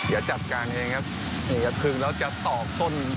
อย่าจัดการเองครับนี่จะคึงแล้วจะตอกส้น